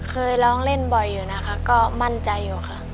เคยร้องเล่นบ่อยอยู่นะคะก็มั่นใจอยู่ค่ะ